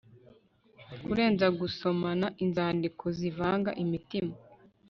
kurenza gusomana, inzandiko zivanga imitima